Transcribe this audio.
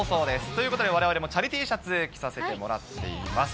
ということでわれわれもチャリＴシャツ着させてもらってます。